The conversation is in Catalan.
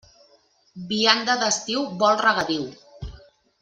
Vianda d'estiu vol regadiu.